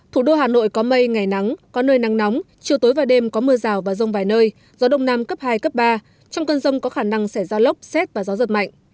thủ đô hà nội có mây ngày nắng có nơi nắng nóng chiều tối và đêm có mưa rào và rông vài nơi gió đông nam cấp hai cấp ba trong cơn rông có khả năng xảy ra lốc xét và gió giật mạnh